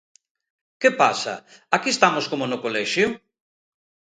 ¿Que pasa, aquí estamos como no colexio?